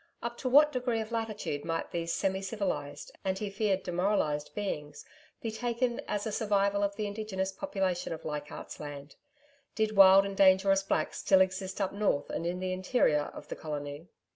Up to what degree of latitude might these semi civilised, and he feared demoralised beings, be taken as a survival of the indigenous population of Leichardt's Land? Did wild and dangerous Blacks still exist up north and in the interior of the Colony?